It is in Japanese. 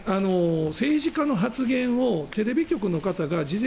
政治家の発言をテレビ局の方が。